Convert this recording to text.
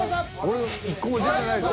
俺１個も出てないぞ。